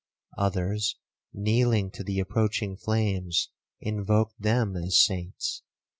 Others, kneeling to the approaching flames, invoked them as saints.